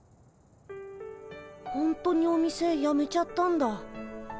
ほんとにお店やめちゃったんだ。